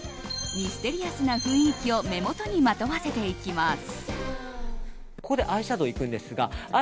ミステリアスな雰囲気を目元にまとわせていきます。